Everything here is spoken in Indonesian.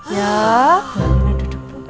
ya bu aminah duduk bu